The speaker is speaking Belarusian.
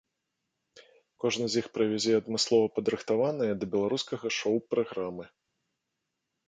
Кожны з іх прывязе адмыслова падрыхтаваныя да беларускага шоў праграмы.